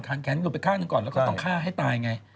แขนหลุดไปข้างหนึ่งก่อนแล้วก็ต้องฆ่าให้ตายไง